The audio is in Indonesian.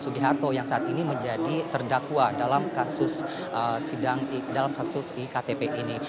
sugiharto yang saat ini menjadi terdakwa dalam kasus iktp ini